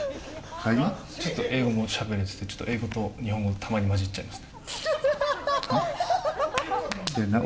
ちょっと英語もしゃべれて英語と日本語たまにまじっちゃいますよ。